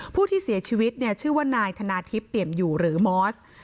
ผู้ที่เสียชีวิตเนี่ยชื่อว่านายธนาทิพย์เปี่ยมอยู่หรือมอส